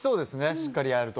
しっかりやると。